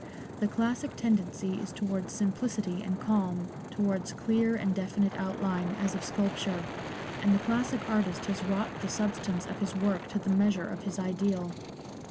The classic tendency is towards simplicity and calm, towards clear and definite outline, as of sculpture, and the classic artist has wrought the substance LANDOR. xix of his work to the measure of his ideal.